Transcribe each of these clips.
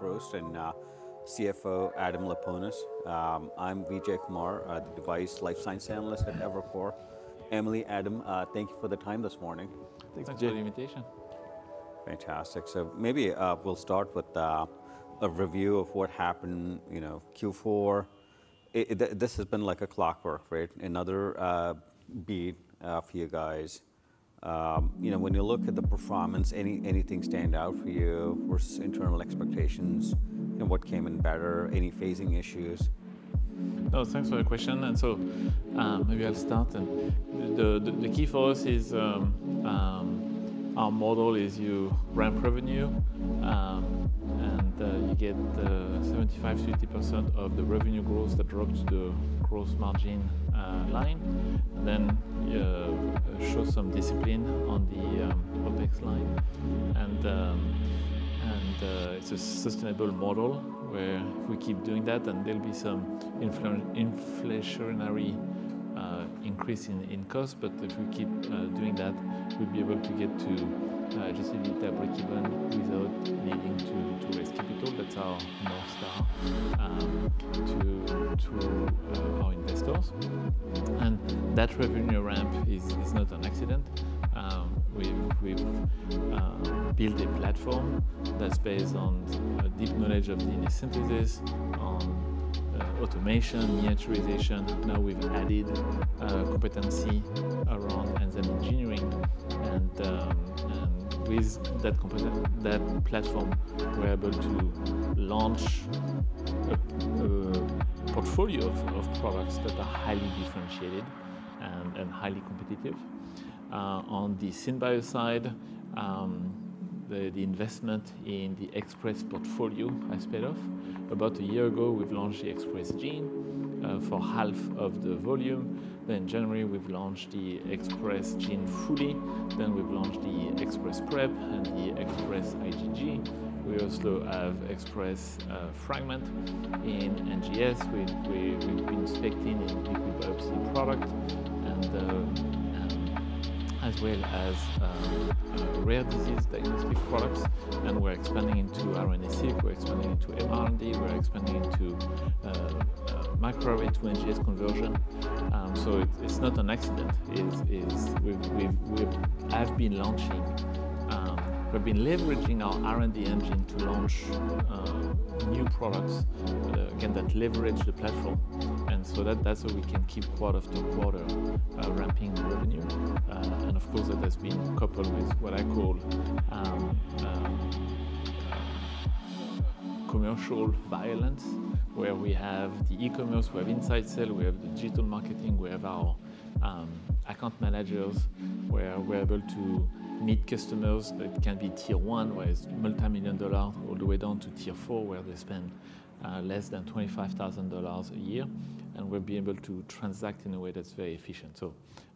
Leproust, and CFO Adam Laponis. I'm Vijay Kumar, the Device & Life Science Analyst at Evercore. Emily, Adam, thank you for the time this morning. Thanks for the invitation. Fantastic. So maybe we'll start with a review of what happened, you know, Q4. This has been like a clockwork, right? Another beat for you guys. You know, when you look at the performance, anything stand out for you? Were internal expectations? You know, what came in better? Any phasing issues? No, thanks for the question. So maybe I'll start. The key for us is our model is you ramp revenue, and you get 75%-80% of the revenue growth that rocks the gross margin line. Show some discipline on the OpEx line. It's a sustainable model where if we keep doing that, then there'll be some inflationary increase in costs. If we keep doing that, we'll be able to get to just a little breakeven without needing to raise capital. That's our North Star to our investors. That revenue ramp is not an accident. We've built a platform that's based on deep knowledge of DNA synthesis, on automation, miniaturization. Now we've added competency around enzyme engineering. With that platform, we're able to launch a portfolio of products that are highly differentiated and highly competitive. On the SynBio side, the investment in the Express Portfolio has paid off. About a year ago, we've launched the Express Genes for half of the volume. Then in January, we've launched the Express Genes fully. Then we've launched the Express Prep and the Express IgG. We also have Express Fragment in NGS. We've been speccing in liquid biopsy products, as well as rare disease diagnostic products. And we're expanding into RNA-seq. We're expanding into mRNA. We're expanding into microarray to NGS conversion. So it's not an accident. We have been launching, we've been leveraging our R&D engine to launch new products, again, that leverage the platform. And so that's how we can keep quarter after quarter ramping revenue. Of course, that has been coupled with what I call commercial velocity, where we have the e-commerce, we have inside sales, we have the digital marketing, we have our account managers, where we're able to meet customers. It can be tier one, where it's multimillion dollars, all the way down to tier four, where they spend less than $25,000 a year. We'll be able to transact in a way that's very efficient.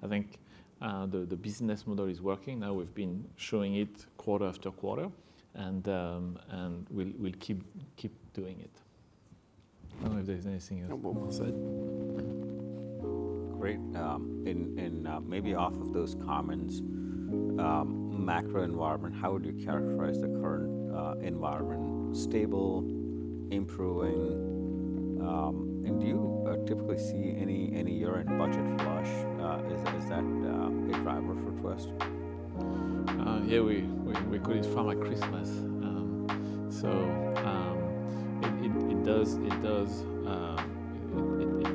I think the business model is working. Now we've been showing it quarter after quarter, and we'll keep doing it. I don't know if there's anything else. No more said. Great. And maybe off of those comments, macro environment, how would you characterize the current environment? Stable, improving. And do you typically see any year-end budget flush? Is that a driver for Twist? Yeah, we call it pharma Christmas. So it does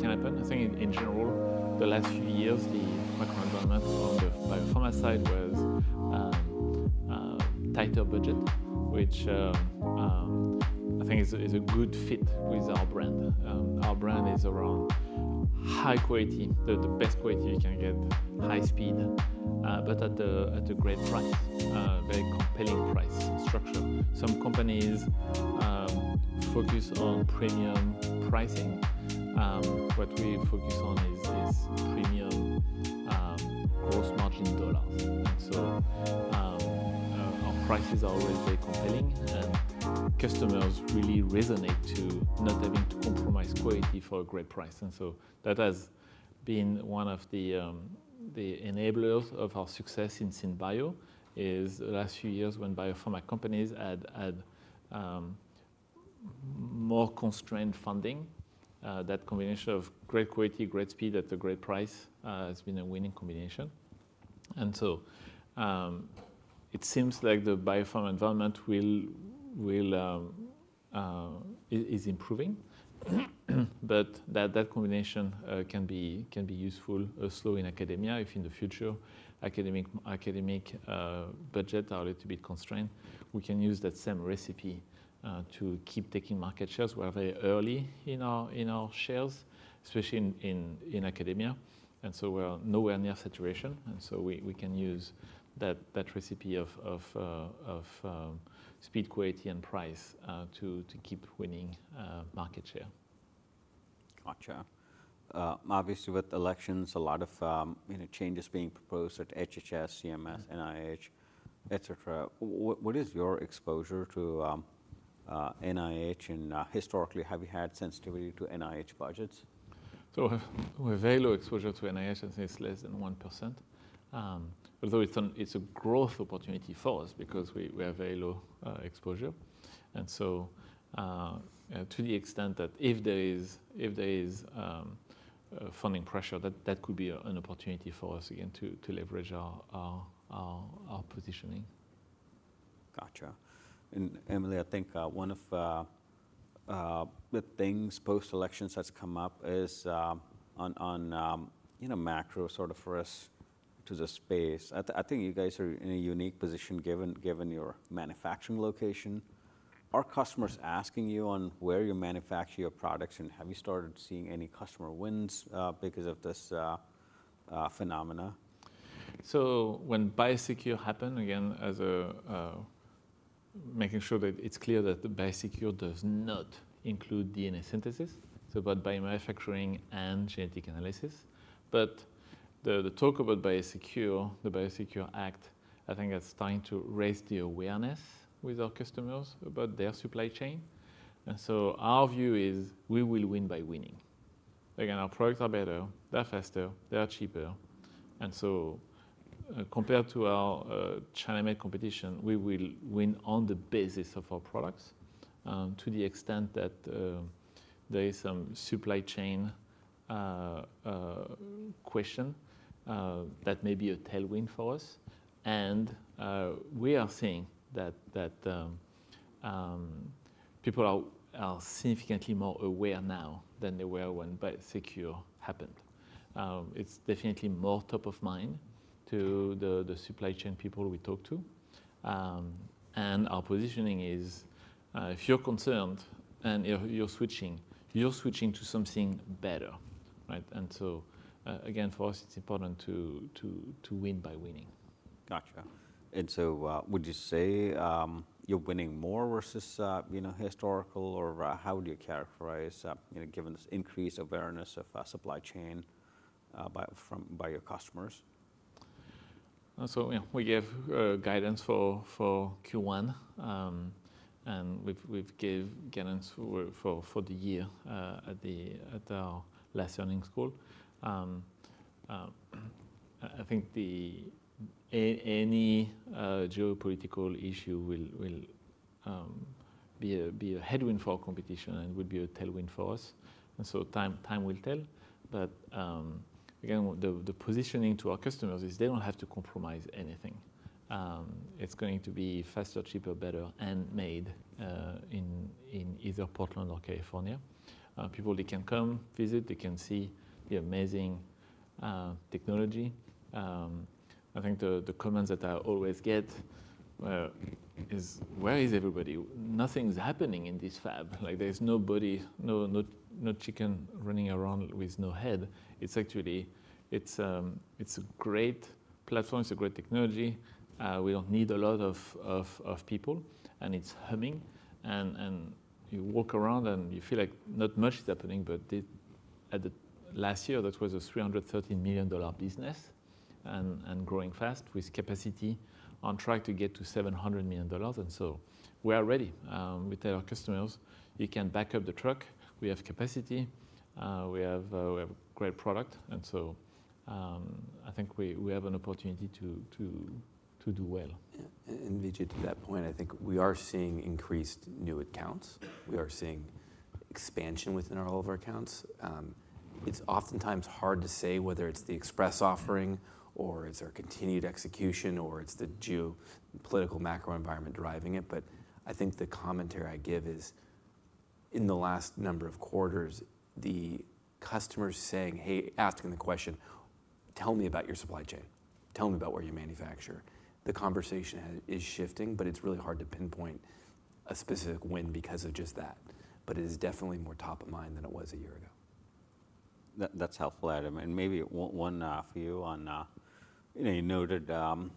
happen. I think in general, the last few years, the macro environment on the biopharma side was tighter budget, which I think is a good fit with our brand. Our brand is around high quality, the best quality you can get, high speed, but at a great price, a very compelling price structure. Some companies focus on premium pricing. What we focus on is premium gross margin dollars. And so our prices are always very compelling, and customers really resonate to not having to compromise quality for a great price. And so that has been one of the enablers of our success in SynBio is the last few years when biopharma companies had more constrained funding. That combination of great quality, great speed at a great price has been a winning combination. And so it seems like the biopharma environment is improving. But that combination can be useful, so low in academia. If in the future academic budgets are a little bit constrained, we can use that same recipe to keep taking market shares. We are very early in our shares, especially in academia. And so we're nowhere near saturation. And so we can use that recipe of speed, quality, and price to keep winning market share. Gotcha. Obviously, with elections, a lot of changes being proposed at HHS, CMS, NIH, et cetera. What is your exposure to NIH? And historically, have you had sensitivity to NIH budgets? So we have very low exposure to NIH, and it's less than 1%. Although it's a growth opportunity for us because we have very low exposure, and so to the extent that if there is funding pressure, that could be an opportunity for us, again, to leverage our positioning. Gotcha. And, Emily, I think one of the things post-elections has come up is on macro sort of for us to the space. I think you guys are in a unique position given your manufacturing location. Are customers asking you on where you manufacture your products? And have you started seeing any customer wins because of this phenomena? So when BIOSECURE happened, again, as a making sure that it's clear that the BIOSECURE does not include DNA synthesis so by biomanufacturing and genetic analysis, but the talk about BIOSECURE, the BIOSECURE Act, I think that's starting to raise the awareness with our customers about their supply chain, and so our view is we will win by winning. Again, our products are better, they're faster, they're cheaper, and so compared to our China-made competition, we will win on the basis of our products to the extent that there is some supply chain question that may be a tailwind for us, and we are seeing that people are significantly more aware now than they were when BIOSECURE happened. It's definitely more top of mind to the supply chain people we talk to, and our positioning is if you're concerned and you're switching, you're switching to something better, right? Again, for us, it's important to win by winning. Gotcha. And so would you say you're winning more versus historical, or how would you characterize given this increased awareness of supply chain by your customers? So we give guidance for Q1, and we've given guidance for the year at our last earnings call. I think any geopolitical issue will be a headwind for our competition and would be a tailwind for us. And so time will tell. But again, the positioning to our customers is they don't have to compromise anything. It's going to be faster, cheaper, better, and made in either Portland or California. People, they can come visit, they can see the amazing technology. I think the comments that I always get is, where is everybody? Nothing's happening in this fab. There's no chicken running around with no head. It's actually a great platform. It's a great technology. We don't need a lot of people, and it's humming. And you walk around and you feel like not much is happening. But last year, that was a $313 million business and growing fast with capacity on track to get to $700 million. And so we are ready. We tell our customers, you can back up the truck. We have capacity. We have great product. And so I think we have an opportunity to do well. And Vijay, to that point, I think we are seeing increased new accounts. We are seeing expansion within all of our accounts. It's oftentimes hard to say whether it's the express offering or it's our continued execution or it's the geopolitical macro environment driving it. But I think the commentary I give is in the last number of quarters, the customers saying, hey, asking the question, tell me about your supply chain. Tell me about where you manufacture. The conversation is shifting, but it's really hard to pinpoint a specific win because of just that. But it is definitely more top of mind than it was a year ago. That's helpful, Adam, and maybe one for you: you noted on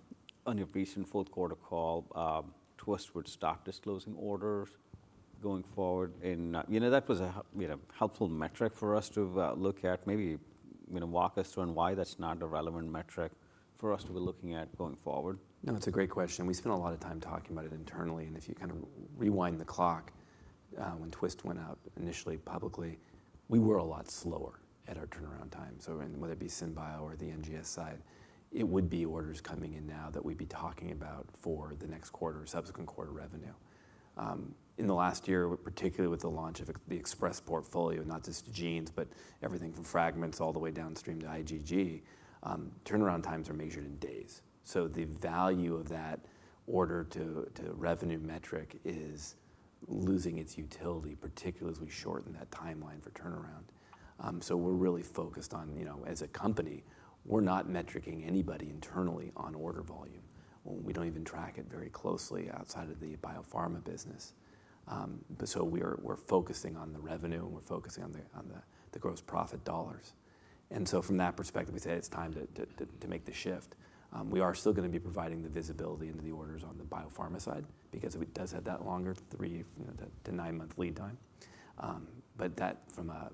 your recent fourth quarter call, Twist would stop disclosing orders going forward, and that was a helpful metric for us to look at. Maybe walk us through on why that's not a relevant metric for us to be looking at going forward. No, it's a great question. We spent a lot of time talking about it internally. And if you kind of rewind the clock when Twist went out initially publicly, we were a lot slower at our turnaround time. So whether it be SynBio or the NGS side, it would be orders coming in now that we'd be talking about for the next quarter or subsequent quarter revenue. In the last year, particularly with the launch of the Express Portfolio, not just the genes, but everything from fragments all the way downstream to IgG, turnaround times are measured in days. So the value of that order to revenue metric is losing its utility, particularly as we shorten that timeline for turnaround. So we're really focused on, as a company, we're not metricing anybody internally on order volume. We don't even track it very closely outside of the biopharma business. We're focusing on the revenue, and we're focusing on the gross profit dollars. From that perspective, we say it's time to make the shift. We are still going to be providing the visibility into the orders on the biopharma side because it does have that longer three- to nine-month lead time. But that, from a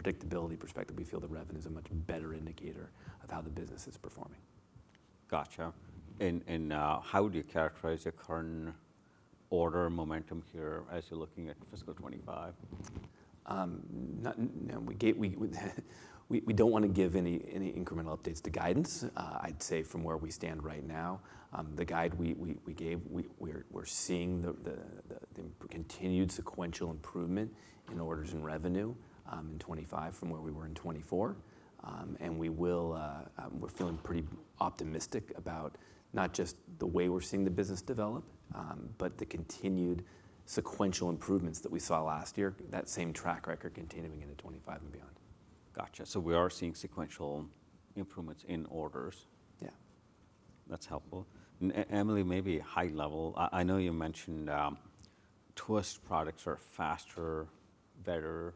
predictability perspective, we feel the revenue is a much better indicator of how the business is performing. Gotcha. And how would you characterize your current order momentum here as you're looking at fiscal 2025? We don't want to give any incremental updates to guidance. I'd say from where we stand right now, the guide we gave, we're seeing the continued sequential improvement in orders and revenue in 2025 from where we were in 2024, and we're feeling pretty optimistic about not just the way we're seeing the business develop, but the continued sequential improvements that we saw last year, that same track record continuing into 2025 and beyond. Gotcha. So we are seeing sequential improvements in orders. Yeah. That's helpful. Emily, maybe high level, I know you mentioned Twist products are faster, better.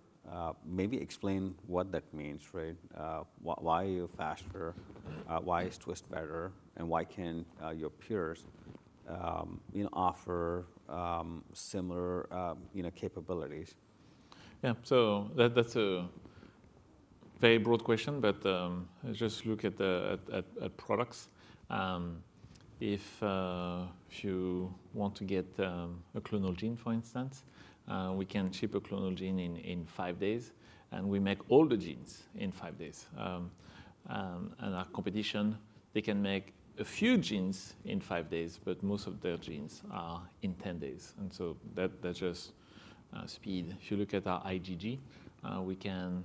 Maybe explain what that means, right? Why are you faster? Why is Twist better? And why can your peers offer similar capabilities? Yeah. So that's a very broad question, but just look at products. If you want to get a clonal gene, for instance, we can ship a clonal gene in five days, and we make all the genes in five days. And our competition, they can make a few genes in five days, but most of their genes are in 10 days. And so that's just speed. If you look at our IgG, we can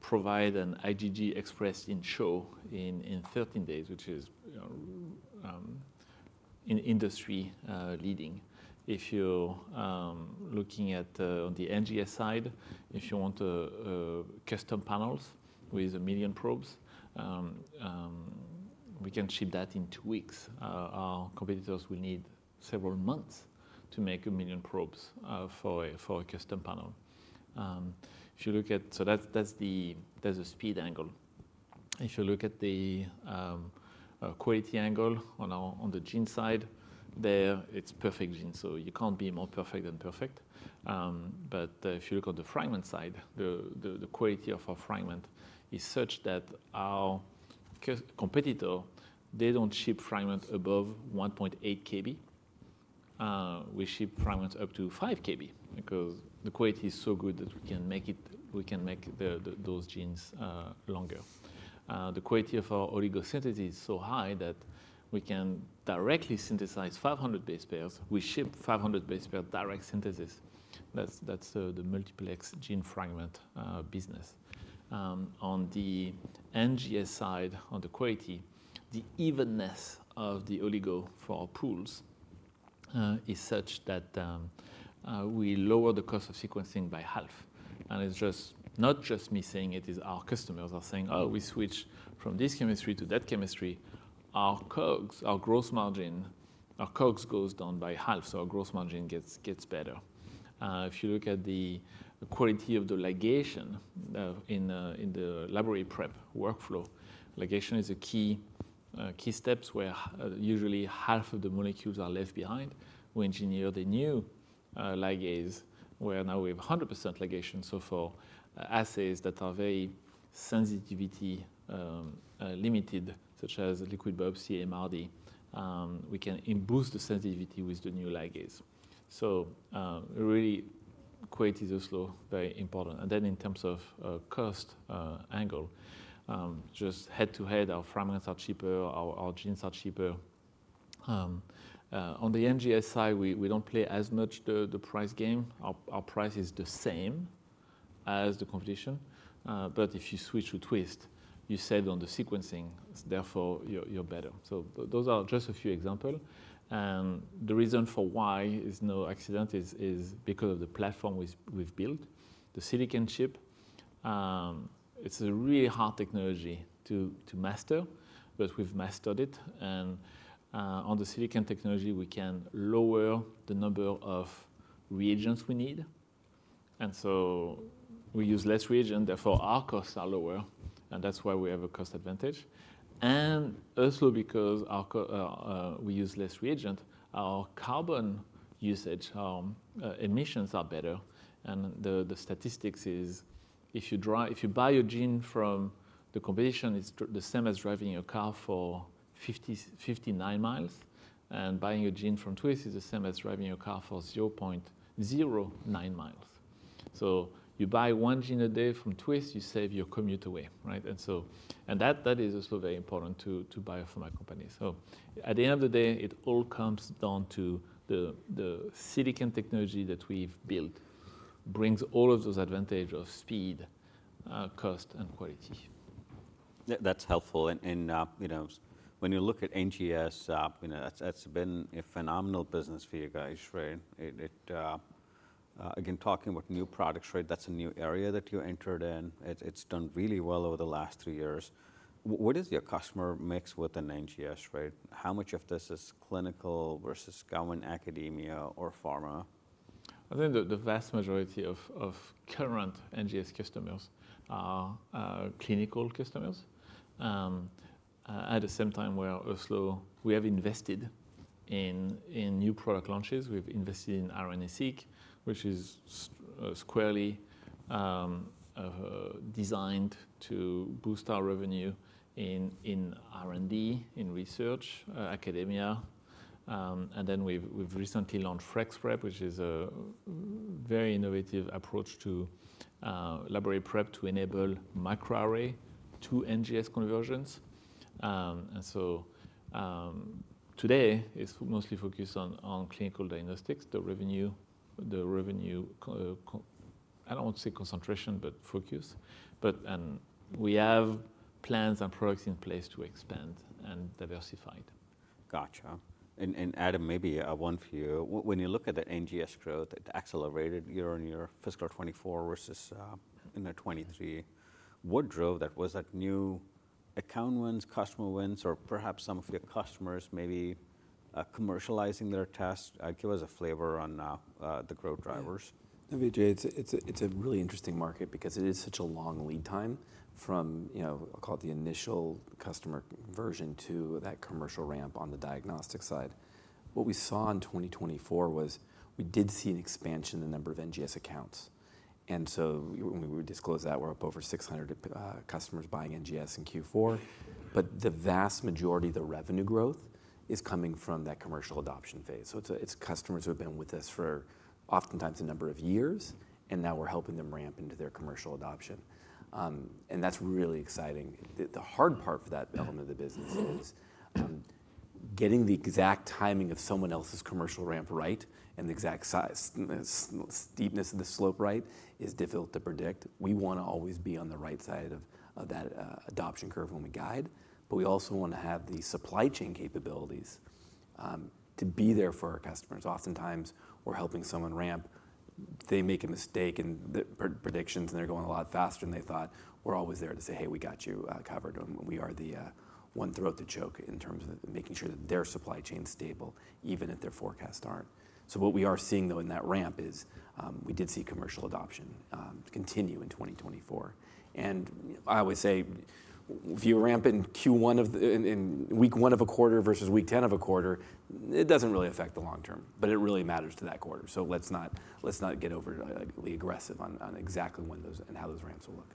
provide an Express IgG in 13 days, which is industry leading. If you're looking at the NGS side, if you want custom panels with a million probes, we can ship that in two weeks. Our competitors will need several months to make a million probes for a custom panel. If you look at, so that's the speed angle. If you look at the quality angle on the gene side, there it's perfect gene. So you can't be more perfect than perfect. But if you look on the fragment side, the quality of our fragment is such that our competitor, they don't ship fragment above 1.8 kb. We ship fragments up to 5 kb because the quality is so good that we can make those genes longer. The quality of our oligosynthesis is so high that we can directly synthesize 500 base pairs. We ship 500 base pair direct synthesis. That's the multiplex gene fragment business. On the NGS side, on the quality, the evenness of the oligo for our pools is such that we lower the cost of sequencing by half. And it's not just me saying it. Our customers are saying, oh, we switch from this chemistry to that chemistry. Our COGS, our gross margin, our COGS goes down by half. So our gross margin gets better. If you look at the quality of the ligation in the laboratory prep workflow, ligation is a key step where usually half of the molecules are left behind. We engineer the new ligase where now we have 100% ligation. So for assays that are very sensitivity limited, such as liquid biopsy, MRD, we can boost the sensitivity with the new ligase. So really quality is also very important. And then in terms of cost angle, just head to head, our fragments are cheaper, our genes are cheaper. On the NGS side, we don't play as much the price game. Our price is the same as the competition. But if you switch to Twist, you save on the sequencing, therefore you're better. So those are just a few examples. And the reason for why it's no accident is because of the platform we've built, the silicon chip. It's a really hard technology to master, but we've mastered it. And on the silicon technology, we can lower the number of reagents we need. And so we use less reagent, therefore our costs are lower. And that's why we have a cost advantage. And also because we use less reagent, our carbon usage, our emissions are better. And the statistics is if you buy a gene from the competition, it's the same as driving a car for 59 miles. And buying a gene from Twist is the same as driving a car for 0.09 miles. So you buy one gene a day from Twist, you save your commute away, right? And so that is also very important to buy from our company. At the end of the day, it all comes down to the silicon technology that we've built brings all of those advantages of speed, cost, and quality. That's helpful. And when you look at NGS, that's been a phenomenal business for you guys, right? Again, talking about new products, right? That's a new area that you entered in. It's done really well over the last three years. What is your customer mix within NGS, right? How much of this is clinical versus government, academia, or pharma? I think the vast majority of current NGS customers are clinical customers. At the same time, however, we have invested in new product launches. We've invested in RNA-seq, which is squarely designed to boost our revenue in R&D, in research, academia. And then we've recently launched Express Prep, which is a very innovative approach to laboratory prep to enable microarray to NGS conversions. And so today is mostly focused on clinical diagnostics, the revenue, I don't want to say concentration, but focus. But we have plans and products in place to expand and diversify it. Gotcha. And Adam, maybe one for you. When you look at the NGS growth, it accelerated year on year fiscal 2024 versus in the 2023. What drove that? Was that new account wins, customer wins, or perhaps some of your customers maybe commercializing their tests? Give us a flavor on the growth drivers. Vijay, it's a really interesting market because it is such a long lead time from, I'll call it the initial customer conversion to that commercial ramp on the diagnostic side. What we saw in 2024 was we did see an expansion in the number of NGS accounts. And so when we disclose that, we're up over 600 customers buying NGS in Q4. But the vast majority of the revenue growth is coming from that commercial adoption phase. So it's customers who have been with us for oftentimes a number of years, and now we're helping them ramp into their commercial adoption. And that's really exciting. The hard part for that element of the business is getting the exact timing of someone else's commercial ramp right and the exact steepness of the slope right is difficult to predict. We want to always be on the right side of that adoption curve when we guide. But we also want to have the supply chain capabilities to be there for our customers. Oftentimes we're helping someone ramp. They make a mistake in the predictions, and they're going a lot faster than they thought. We're always there to say, hey, we got you covered. And we are the one throat to choke in terms of making sure that their supply chain is stable, even if their forecasts aren't. So what we are seeing though in that ramp is we did see commercial adoption continue in 2024. And I always say if you ramp in Q1 of the week one of a quarter versus week 10 of a quarter, it doesn't really affect the long term, but it really matters to that quarter. So let's not get overly aggressive on exactly when those and how those ramps will look.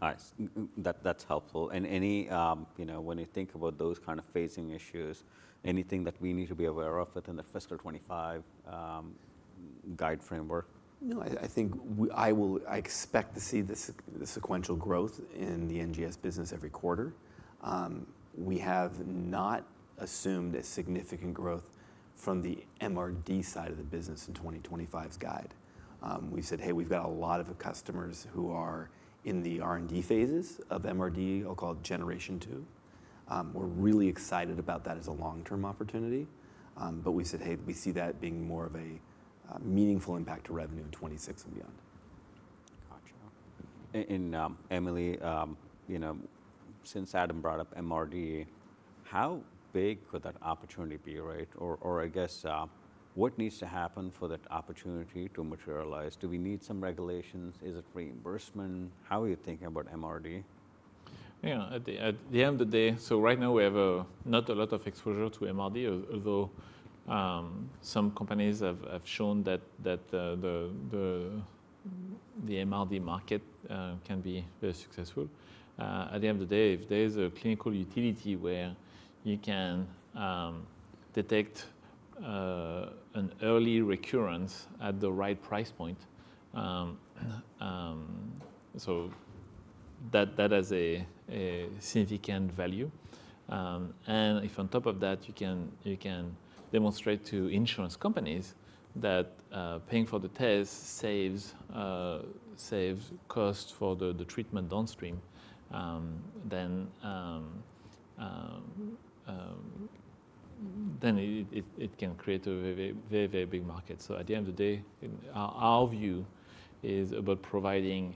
Nice. That's helpful. And when you think about those kind of phasing issues, anything that we need to be aware of within the fiscal 2025 guide framework? No, I think I expect to see the sequential growth in the NGS business every quarter. We have not assumed a significant growth from the MRD side of the business in 2025's guide. We said, hey, we've got a lot of customers who are in the R&D phases of MRD, I'll call it generation two. We're really excited about that as a long-term opportunity. But we said, hey, we see that being more of a meaningful impact to revenue in 26 and beyond. Gotcha, and Emily, since Adam brought up MRD, how big could that opportunity be, right? Or I guess what needs to happen for that opportunity to materialize? Do we need some regulations? Is it reimbursement? How are you thinking about MRD? Yeah. At the end of the day, so right now we have not a lot of exposure to MRD, although some companies have shown that the MRD market can be very successful. At the end of the day, if there's a clinical utility where you can detect an early recurrence at the right price point, so that has a significant value, and if on top of that you can demonstrate to insurance companies that paying for the test saves cost for the treatment downstream, then it can create a very, very big market, so at the end of the day, our view is about providing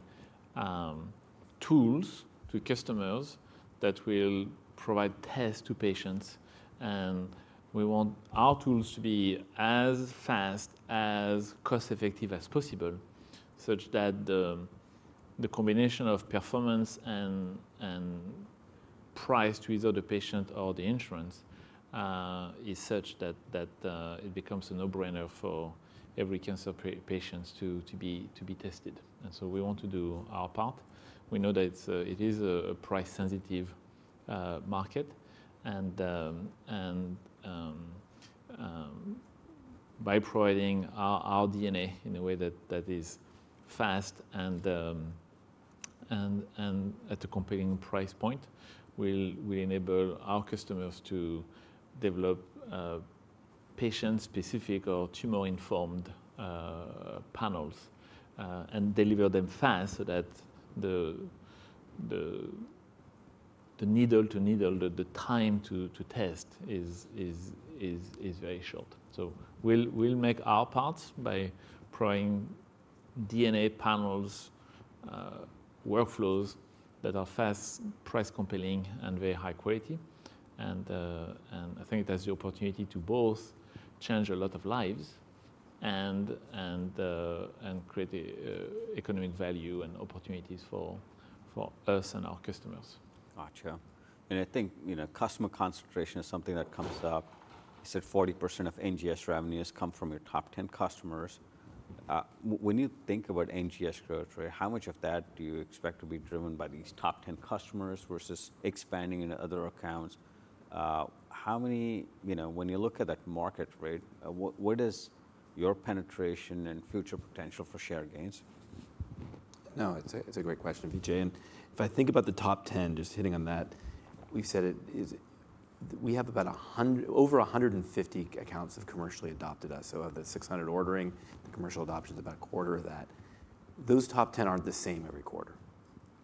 tools to customers that will provide tests to patients. And we want our tools to be as fast, as cost-effective as possible, such that the combination of performance and price to either the patient or the insurance is such that it becomes a no-brainer for every cancer patient to be tested. And so we want to do our part. We know that it is a price-sensitive market. And by providing our DNA in a way that is fast and at a competing price point, we enable our customers to develop patient-specific or tumor-informed panels and deliver them fast so that the needle-to-needle, the time to test is very short. So we'll make our parts by providing DNA panels workflows that are fast, price-competing, and very high quality. And I think that's the opportunity to both change a lot of lives and create economic value and opportunities for us and our customers. Gotcha. And I think customer concentration is something that comes up. You said 40% of NGS revenues come from your top 10 customers. When you think about NGS growth, how much of that do you expect to be driven by these top 10 customers versus expanding into other accounts? When you look at that market, right, what is your penetration and future potential for share gains? No, it's a great question, Vijay. And if I think about the top 10, just hitting on that, we've said we have about over 150 accounts have commercially adopted us. So of the 600 ordering, the commercial adoption is about a quarter of that. Those top 10 aren't the same every quarter.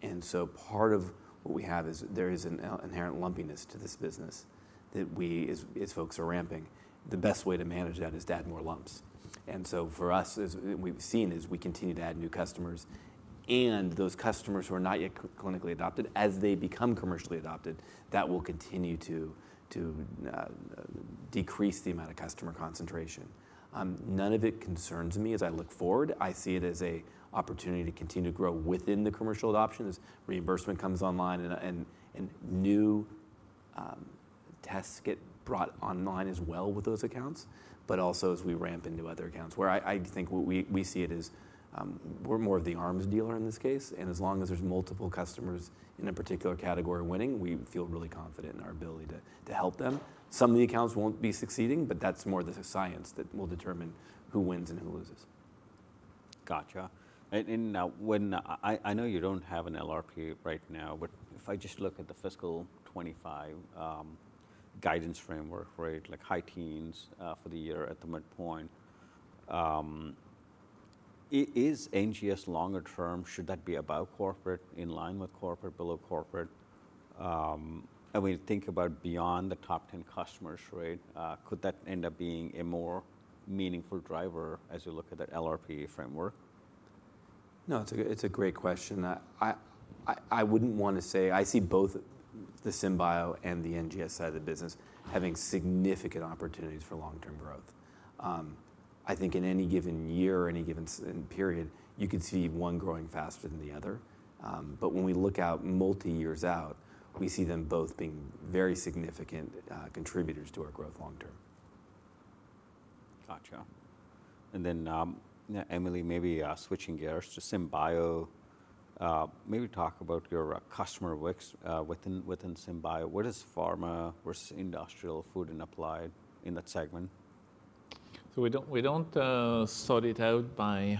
And so part of what we have is there is an inherent lumpiness to this business that is folks are ramping. The best way to manage that is to add more lumps. And so for us, what we've seen is we continue to add new customers. And those customers who are not yet clinically adopted, as they become commercially adopted, that will continue to decrease the amount of customer concentration. None of it concerns me as I look forward. I see it as an opportunity to continue to grow within the commercial adoption. As reimbursement comes online and new tests get brought online as well with those accounts, but also as we ramp into other accounts where I think we see it as we're more of the arms dealer in this case, and as long as there's multiple customers in a particular category winning, we feel really confident in our ability to help them. Some of the accounts won't be succeeding, but that's more the science that will determine who wins and who loses. Gotcha. And I know you don't have an LRP right now, but if I just look at the fiscal 2025 guidance framework, right, like high teens for the year at the midpoint, is NGS longer term? Should that be about corporate, in line with corporate, below corporate? And when you think about beyond the top 10 customers, right, could that end up being a more meaningful driver as you look at that LRP framework? No, it's a great question. I wouldn't want to say I see both the SynBio and the NGS side of the business having significant opportunities for long-term growth. I think in any given year or any given period, you could see one growing faster than the other. But when we look out multi-years out, we see them both being very significant contributors to our growth long-term. Gotcha. And then Emily, maybe switching gears to SynBio, maybe talk about your customer within SynBio. What is pharma versus industrial, food, and applied in that segment? So we don't sort it out by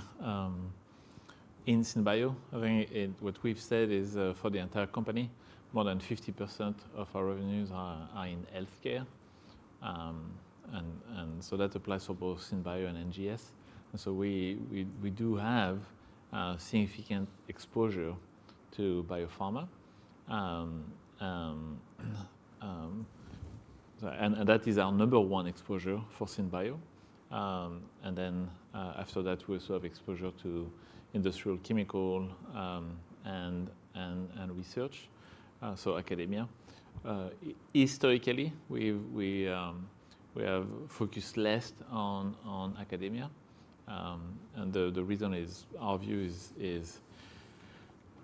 SynBio. I think what we've said is for the entire company, more than 50% of our revenues are in healthcare. And so that applies for both SynBio and NGS. And so we do have significant exposure to biopharma. And that is our number one exposure for SynBio. And then after that, we also have exposure to industrial chemical and research, so academia. Historically, we have focused less on academia. And the reason is our view is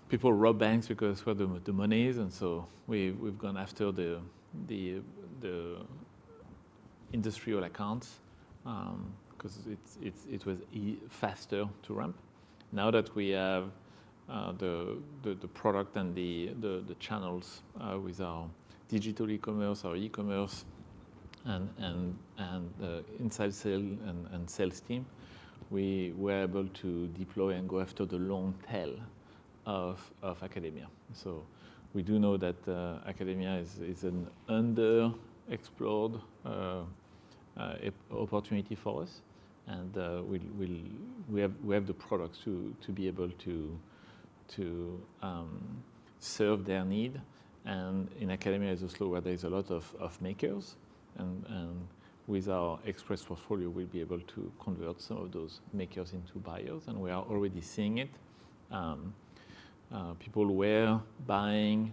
people rob banks because of where the money is. And so we've gone after the industrial accounts because it was faster to ramp. Now that we have the product and the channels with our digital e-commerce, our e-commerce, and inside sales and sales team, we were able to deploy and go after the long tail of academia. We do know that academia is an under-explored opportunity for us. And we have the products to be able to serve their need. And in academia, as always, there's a lot of makers. And with our Express Portfolio, we'll be able to convert some of those makers into buyers. And we are already seeing it. People were buying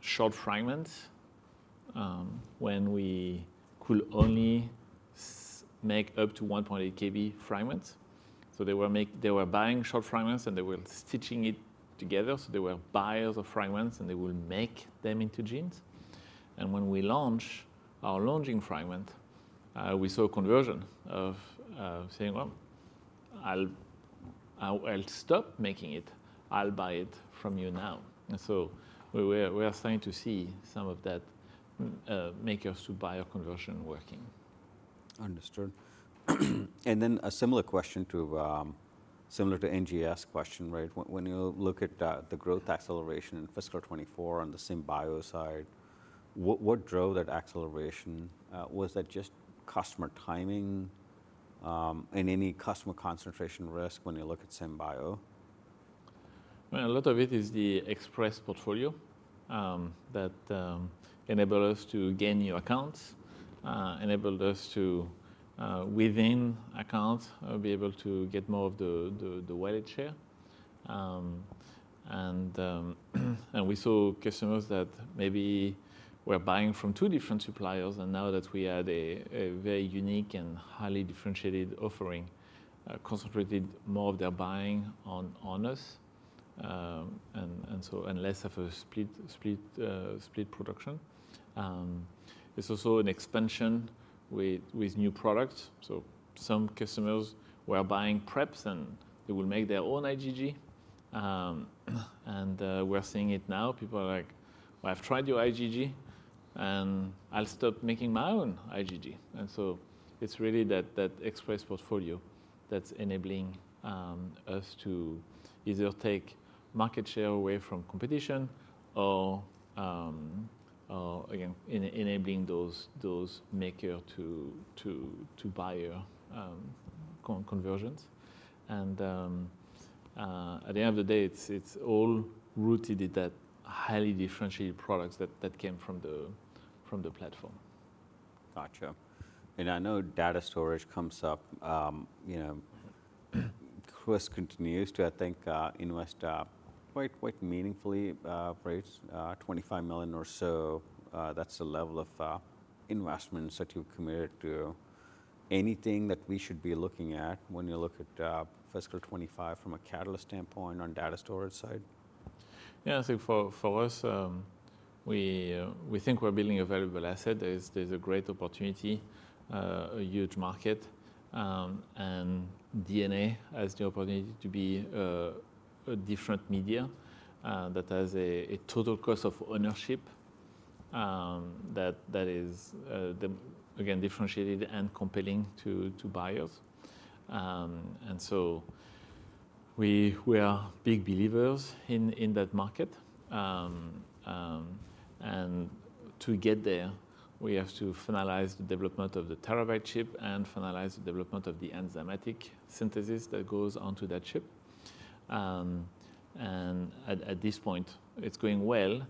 short fragments when we could only make up to 1.8 KB fragments. So they were buying short fragments and they were stitching it together. So they were buyers of fragments and they will make them into genes. And when we launched our Express Fragment, we saw a conversion of saying, well, I'll stop making it. I'll buy it from you now. And so we are starting to see some of that makers to buyer conversion working. Understood. And then a similar question similar to the NGS question, right? When you look at the growth acceleration in fiscal 2024 on the SynBio side, what drove that acceleration? Was that just customer timing and any customer concentration risk when you look at SynBio? A lot of it is the Express Portfolio that enabled us to gain new accounts, enabled us to within accounts be able to get more of the wallet share. And we saw customers that maybe were buying from two different suppliers. And now that we had a very unique and highly differentiated offering, concentrated more of their buying on us and so less of a split production. There's also an expansion with new products. So some customers were buying preps and they will make their own IgG. And we're seeing it now. People are like, well, I've tried your IgG and I'll stop making my own IgG. And so it's really that Express Portfolio that's enabling us to either take market share away from competition or enabling those makers to buyer conversions. At the end of the day, it's all rooted in that highly differentiated products that came from the platform. Gotcha. And I know data storage comes up. Twist continues to, I think, invest quite meaningfully, right? $25 million or so. That's the level of investments that you've committed to. Anything that we should be looking at when you look at fiscal 2025 from a catalyst standpoint on data storage side? Yeah, I think for us, we think we're building a valuable asset. There's a great opportunity, a huge market. And DNA has the opportunity to be a different media that has a total cost of ownership that is, again, differentiated and compelling to buyers. And so we are big believers in that market. And to get there, we have to finalize the development of the terabyte chip and finalize the development of the enzymatic synthesis that goes onto that chip. And at this point, it's going well.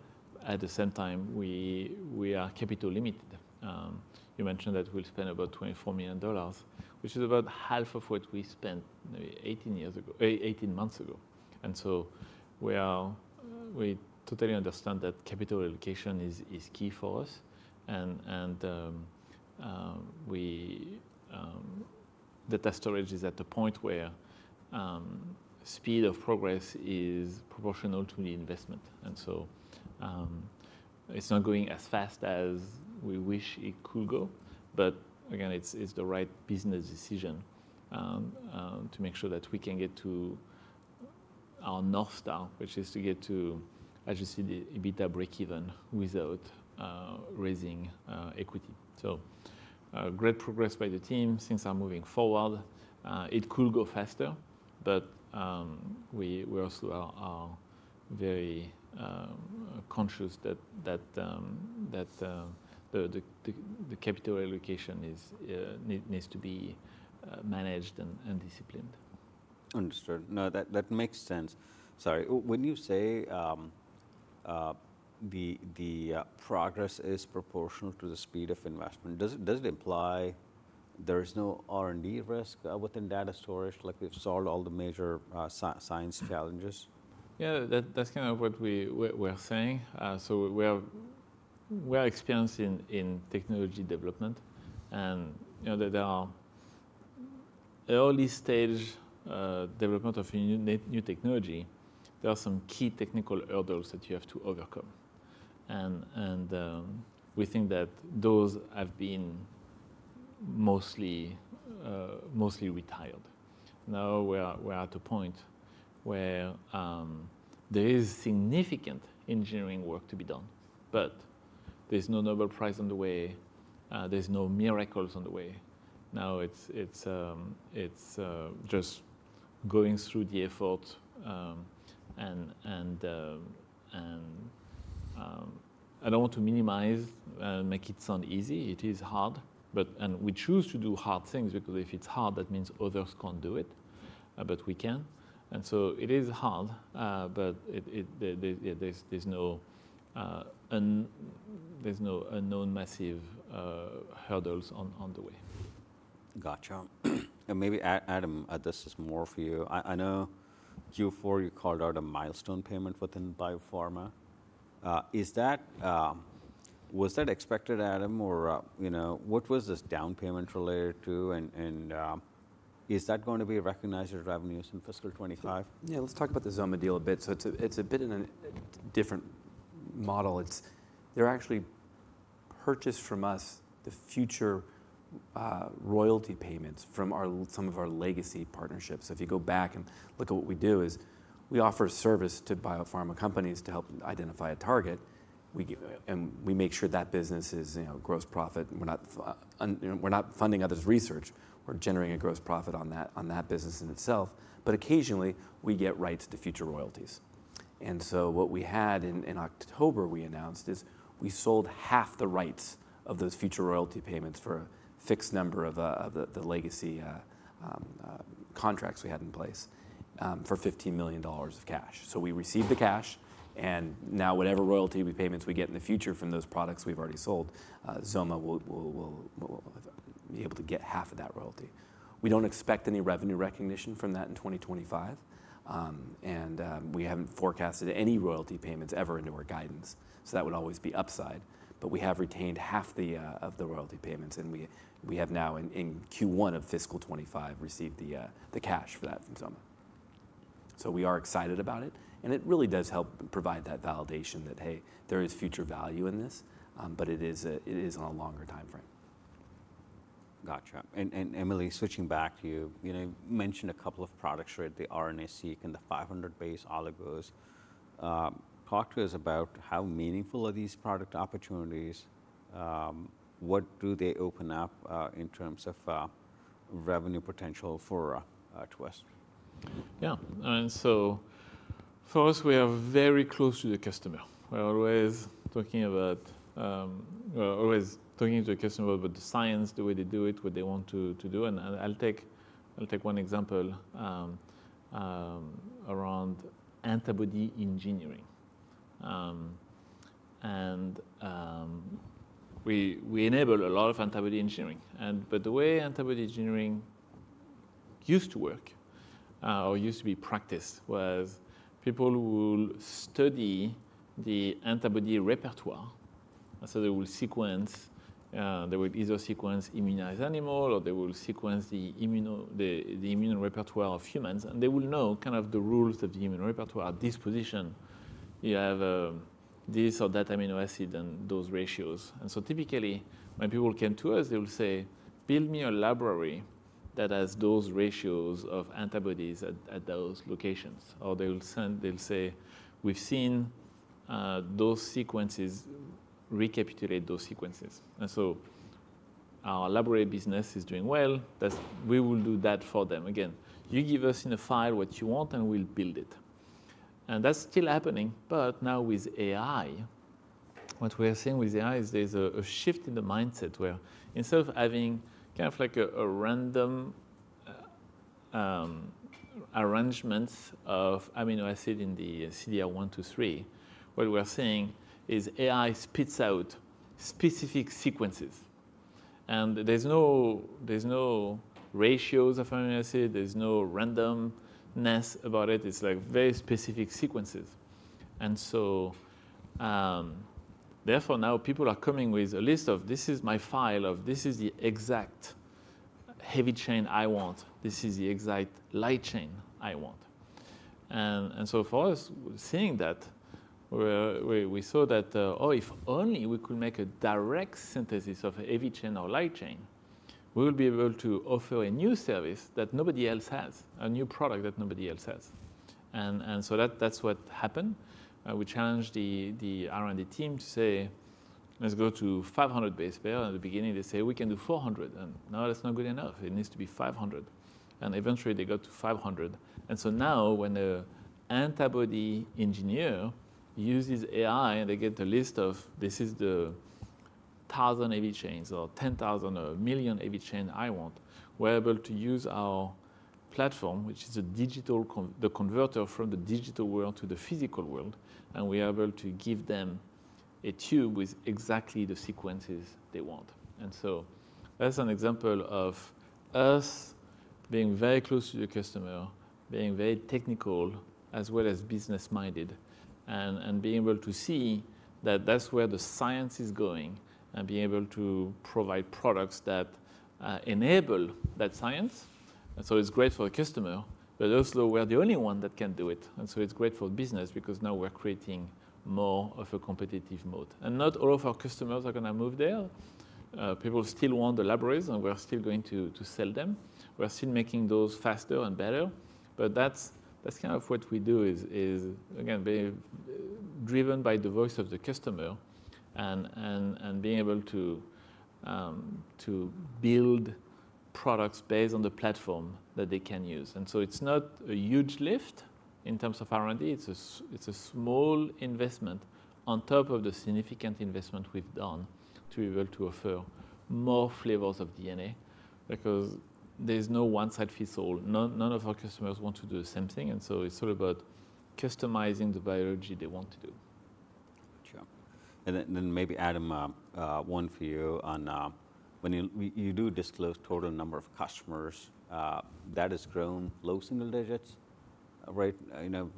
At the same time, we are capital limited. You mentioned that we'll spend about $24 million, which is about half of what we spent 18 months ago. And so we totally understand that capital allocation is key for us. And the data storage is at the point where speed of progress is proportional to the investment. And so it's not going as fast as we wish it could go. But again, it's the right business decision to make sure that we can get to our North Star, which is to get to, as you see, the EBITDA break-even without raising equity. So great progress by the team since I'm moving forward. It could go faster, but we also are very conscious that the capital allocation needs to be managed and disciplined. Understood. No, that makes sense. Sorry. When you say the progress is proportional to the speed of investment, does it imply there is no R&D risk within data storage? Like we've solved all the major science challenges? Yeah, that's kind of what we're saying. So we're experienced in technology development. And there are early stage developments of new technology. There are some key technical hurdles that you have to overcome. And we think that those have been mostly retired. Now we're at a point where there is significant engineering work to be done, but there's no Nobel Prize on the way. There's no miracles on the way. Now it's just going through the effort. And I don't want to minimize and make it sound easy. It is hard. And we choose to do hard things because if it's hard, that means others can't do it, but we can. And so it is hard, but there's no unknown massive hurdles on the way. Gotcha. And maybe Adam, this is more for you. I know Q4 you called out a milestone payment within biopharma. Was that expected, Adam? Or what was this down payment related to? And is that going to be recognized as revenues in fiscal 2025? Yeah, let's talk about the XOMA deal a bit. So it's a bit in a different model. They're actually purchased from us, the future royalty payments from some of our legacy partnerships. So if you go back and look at what we do is we offer a service to biopharma companies to help identify a target. And we make sure that business is gross profit. We're not funding others' research. We're generating a gross profit on that business in itself. But occasionally, we get rights to future royalties. And so what we had in October, we announced is we sold half the rights of those future royalty payments for a fixed number of the legacy contracts we had in place for $15 million of cash. So we received the cash. Now whatever royalty payments we get in the future from those products we've already sold, XOMA will be able to get half of that royalty. We don't expect any revenue recognition from that in 2025. We haven't forecasted any royalty payments ever into our guidance. That would always be upside. We have retained half of the royalty payments. We have now in Q1 of fiscal 2025 received the cash for that from XOMA. We are excited about it. It really does help provide that validation that, hey, there is future value in this, but it is on a longer timeframe. Gotcha. And Emily, switching back to you, you mentioned a couple of products, right? The RNA-seq and the 500-base oligos. Talk to us about how meaningful are these product opportunities? What do they open up in terms of revenue potential for us? Yeah. And so for us, we are very close to the customer. We're always talking to the customer about the science, the way they do it, what they want to do. And I'll take one example around antibody engineering. And we enable a lot of antibody engineering. But the way antibody engineering used to work or used to be practiced was people will study the antibody repertoire. And so they will sequence, they will either sequence immunized animal or they will sequence the immune repertoire of humans. And they will know kind of the rules of the immune repertoire composition. You have this or that amino acid and those ratios. And so typically, when people come to us, they will say, build me a library that has those ratios of antibodies at those locations. Or they'll say, we've seen those sequences, recapitulate those sequences. Our library business is doing well. We will do that for them. Again, you give us in a file what you want and we'll build it. That's still happening. Now with AI, what we're seeing with AI is there's a shift in the mindset where instead of having kind of like a random arrangement of amino acid in the CDR1, 2, 3, what we're seeing is AI spits out specific sequences. There's no ratios of amino acid. There's no randomness about it. It's like very specific sequences. Therefore now people are coming with a list of, this is my file of, this is the exact heavy chain I want. This is the exact light chain I want. For us, seeing that, we saw that, oh, if only we could make a direct synthesis of heavy chain or light chain, we will be able to offer a new service that nobody else has, a new product that nobody else has. So that's what happened. We challenged the R&D team to say, let's go to 500 base pairs. At the beginning, they say, we can do 400. No, that's not good enough. It needs to be 500. Eventually they got to 500. So now when the antibody engineer uses AI and they get the list of, this is the 1,000 heavy chains or 10,000 or million heavy chains I want, we're able to use our platform, which is the digital converter from the digital world to the physical world. And we are able to give them a tube with exactly the sequences they want. And so that's an example of us being very close to the customer, being very technical as well as business-minded and being able to see that that's where the science is going and being able to provide products that enable that science. And so it's great for the customer, but also we're the only one that can do it. And so it's great for business because now we're creating more of a competitive mode. And not all of our customers are going to move there. People still want the libraries and we're still going to sell them. We're still making those faster and better. But that's kind of what we do is, again, driven by the voice of the customer and being able to build products based on the platform that they can use. And so it's not a huge lift in terms of R&D. It's a small investment on top of the significant investment we've done to be able to offer more flavors of DNA because there's no one size fits all. None of our customers want to do the same thing. And so it's all about customizing the biology they want to do. Gotcha. And then maybe Adam, one for you on when you do disclose total number of customers, that has grown low single digits, right?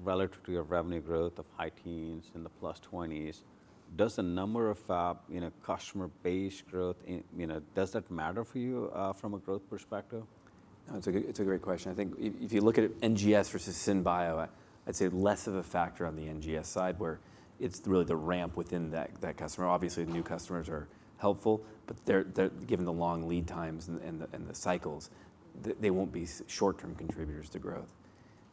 Relative to your revenue growth of high teens in the plus 20s, does the number of customer base growth, does that matter for you from a growth perspective? It's a great question. I think if you look at NGS versus SynBio, I'd say less of a factor on the NGS side where it's really the ramp within that customer. Obviously, new customers are helpful, but given the long lead times and the cycles, they won't be short-term contributors to growth.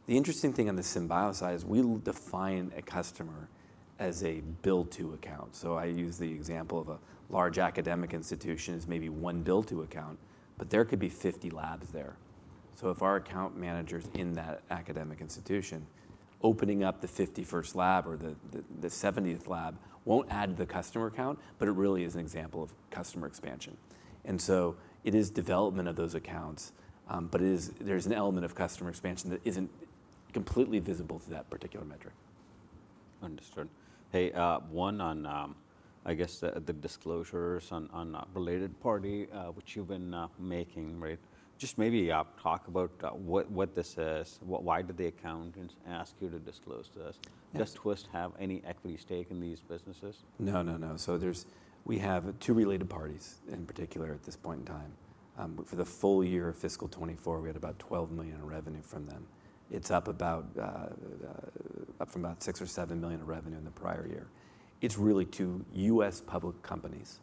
The interesting thing on the SynBio side is we define a customer as a build-to account. So I use the example of a large academic institution as maybe one build-to account, but there could be 50 labs there. So if our account manager's in that academic institution, opening up the 51st lab or the 70th lab won't add to the customer account, but it really is an example of customer expansion. And so it is development of those accounts, but there's an element of customer expansion that isn't completely visible to that particular metric. Understood. Hey, one on, I guess, the disclosures on related party, which you've been making, right? Just maybe talk about what this is. Why did the accountant ask you to disclose this? Does Twist have any equity stake in these businesses? No, no, no. So we have two related parties in particular at this point in time. For the full year of fiscal 2024, we had about $12 million in revenue from them. It's up from about $6 million or $7 million in revenue in the prior year. It's really two U.S. public companies,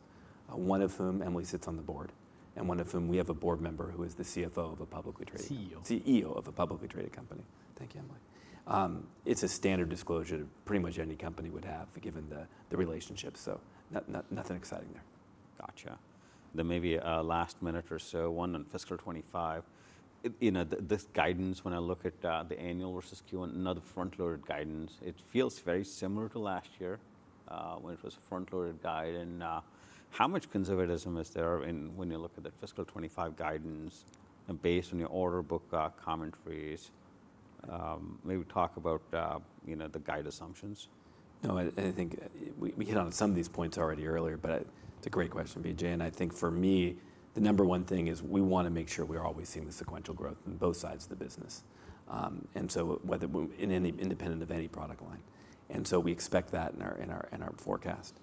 one of whom Emily sits on the board and one of whom we have a board member who is the CFO of a publicly traded company. CEO. CEO of a publicly traded company. Thank you, Emily. It's a standard disclosure pretty much any company would have given the relationship. So nothing exciting there. Gotcha. Then maybe last minute or so, one on fiscal 2025. This guidance, when I look at the annual versus Q1, another front-loaded guidance, it feels very similar to last year when it was a front-loaded guide. How much conservatism is there when you look at the fiscal 2025 guidance and based on your order book commentaries? Maybe talk about the guide assumptions. No, I think we hit on some of these points already earlier, but it's a great question, Vijay, and I think for me, the number one thing is we want to make sure we're always seeing the sequential growth on both sides of the business, and so in any independent of any product line, and so we expect that in our forecast.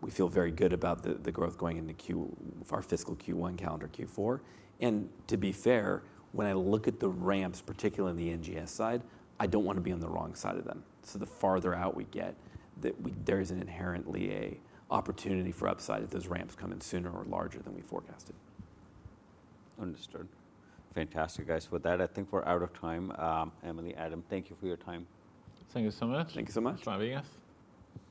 We feel very good about the growth going into our fiscal Q1 calendar Q4, and to be fair, when I look at the ramps, particularly on the NGS side, I don't want to be on the wrong side of them, so the farther out we get, there is inherently an opportunity for upside if those ramps come in sooner or larger than we forecasted. Understood. Fantastic, guys. With that, I think we're out of time. Emily, Adam, thank you for your time. Thank you so much. Thank you so much. It's my business.